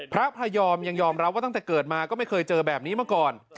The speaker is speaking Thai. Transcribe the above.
พระพระยอมยังยอมรับว่าตั้งแต่เกิดมาก็ไม่เคยเจอแบบนี้มาก่อน